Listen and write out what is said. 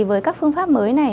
với các phương pháp mới này